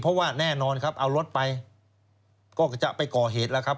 เพราะว่าแน่นอนครับเอารถไปก็จะไปก่อเหตุแล้วครับ